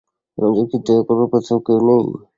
আমাদের কী দয়া করবার কোথাও কেউ নেই?